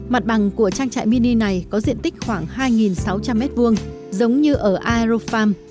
mặt bằng của trang trại mini này có diện tích khoảng hai sáu trăm linh m hai giống như ở aerofarm